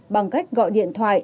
bằng cách gọi điện thoại